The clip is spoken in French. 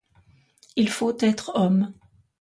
Il faut être homme.